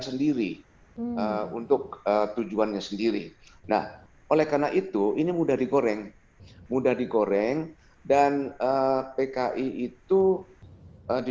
sendiri untuk tujuannya sendiri nah oleh karena itu ini mudah digoreng mudah digoreng dan pki itu di